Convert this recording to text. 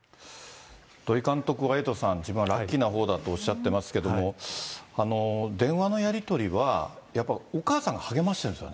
土居監督は、エイトさん、自分はラッキーなほうだとおっしゃってますけれども、電話のやり取りは、やっぱりお母さんが励ましそうなんです。